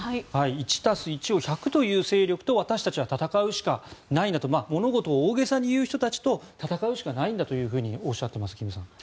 １足す１を１００と言う勢力と私たちは戦うしかないんだと物事を大げさに言う人たちと戦うしかないんだとおっしゃっています。